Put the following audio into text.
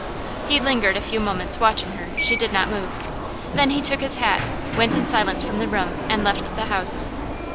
He lingered a few moments, watching her; she did not move. Then he took his hat, went in silence from the room, and left the house.